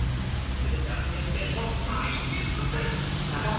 鶴ちゃん先生と対決です！